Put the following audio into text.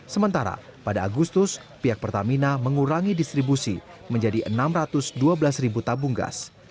sementara pada agustus pihak pertamina mengurangi distribusi menjadi enam ratus dua belas ribu tabung gas